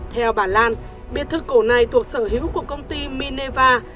theo bà lan biệt thự cổ này thuộc sở hữu của công ty mineva